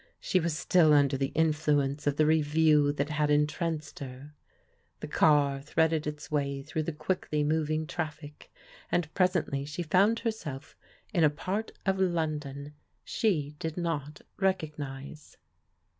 She was still under the influence of the Revue that had entranced her. The car threaded its way through the quickly moving traffic, and presently she found herself in a part of London she did not recognize.